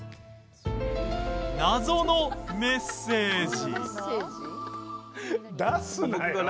謎のメッセージ。